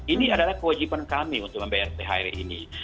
ini adalah kewajiban kami untuk membayar thr ini